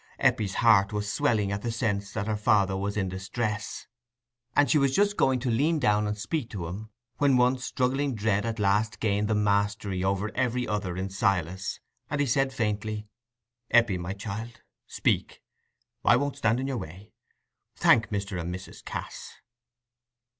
Eppie's heart was swelling at the sense that her father was in distress; and she was just going to lean down and speak to him, when one struggling dread at last gained the mastery over every other in Silas, and he said, faintly— "Eppie, my child, speak. I won't stand in your way. Thank Mr. and Mrs. Cass."